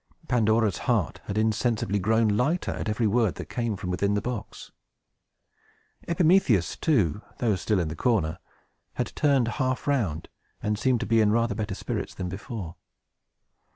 Pandora's heart had insensibly grown lighter at every word that came from within the box. Epimetheus, too, though still in the corner, had turned half round, and seemed to be in rather better spirits than before.